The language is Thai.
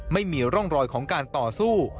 ไม่มีร่องรอยของการต่อสู้